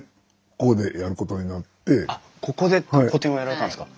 あっここで個展をやられたんですか？